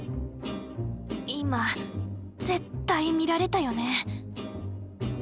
今絶対見られたよね？